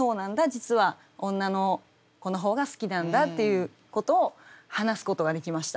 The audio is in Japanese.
実は女の子の方が好きなんだ」っていうことを話すことができました。